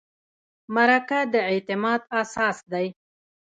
مرکه د اعتماد اساس دی.